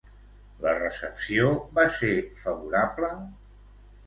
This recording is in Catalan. La recepció va ser favorable?